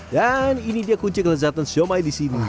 dan ini dia kunci kelezatan somai di sini